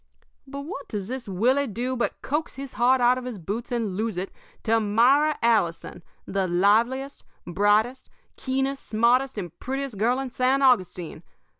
"But what does this Willie do but coax his heart out of his boots and lose it to Myra Allison, the liveliest, brightest, keenest, smartest, and prettiest girl in San Augustine.